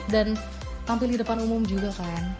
tampil di depan umum juga kan